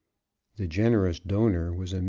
The generous donor was a Mr. W.